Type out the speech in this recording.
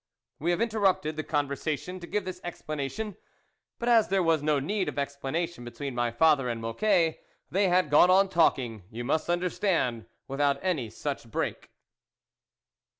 We have interrupted the conversation to give this explanation ; but as there was no need of explanation between my father and Mocquet, they had gone on talking, you must understand, without any such break.